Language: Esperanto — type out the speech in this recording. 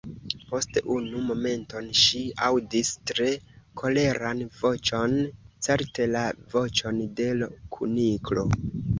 Post unu momenton ŝi aŭdis tre koleran voĉon, certe la voĉon de l' Kuniklo.